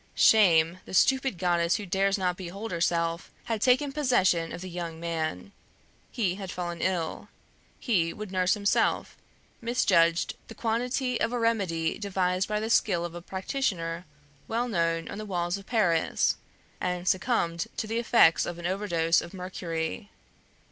Shame, the stupid goddess who dares not behold herself, had taken possession of the young man. He had fallen ill; he would nurse himself; misjudged the quantity of a remedy devised by the skill of a practitioner well known on the walls of Paris, and succumbed to the effects of an overdose of mercury.